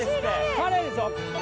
カレイでしょ？